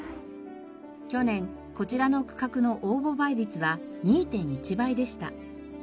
去年こちらの区画の応募倍率は２．１倍でした。